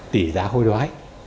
tỷ giá hồi đoái